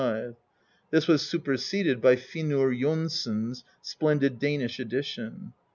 This was super seded by Finnur Jonsson's splendid Danish edition.